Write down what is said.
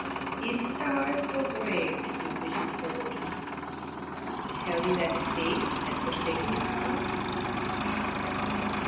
4. "Ill starr'd, though brave, did no visions foreboding Tell you that fate had forsaken your cause?"